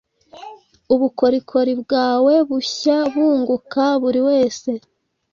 Ubukorikori bwawe bushyabunguka buri wese